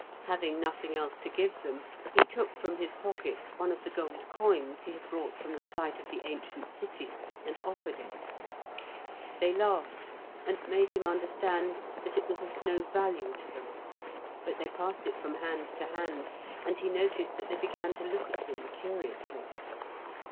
Having nothing else to give them, he took from his pocket one of the gold coins he had brought from the site of the ancient city, and offered it. They laughed, and made him understand that it was of no value to them; but they passed it from hand to hand, and he noticed that they began to look at him curiously.